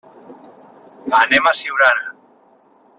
Anem a Siurana.